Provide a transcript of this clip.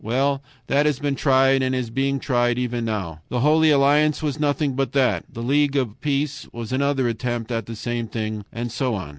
Well, that has been tried and is being tried even now. The Holy Alliance was nothing but that, the League of Peace was another attempt at the same thing, and so on.